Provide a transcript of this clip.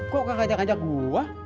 kok nggak ajak ajak gue